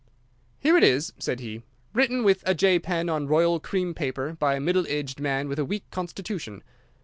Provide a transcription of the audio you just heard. "Here it is," said he, "written with a J pen on royal cream paper by a middle aged man with a weak constitution.